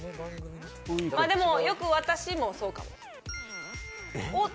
でもよく私もそうかも・えっ？